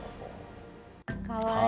かわいい。